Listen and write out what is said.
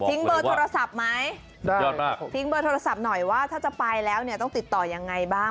เบอร์โทรศัพท์ไหมได้ยอดมากทิ้งเบอร์โทรศัพท์หน่อยว่าถ้าจะไปแล้วเนี่ยต้องติดต่อยังไงบ้าง